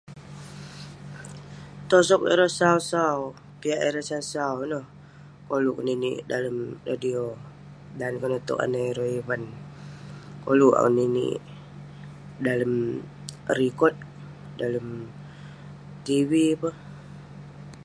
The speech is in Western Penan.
Tosok ireh sau-sau piak ireh sau-sau koluk keninek kik dalem radio dan konak tok ireh Ivan koluk akuek ngeninek dalem record dalem tv peh